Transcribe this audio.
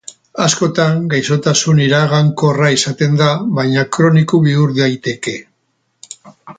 Askotan, gaixotasun iragankorra izaten da, baina kroniko bihur daiteke.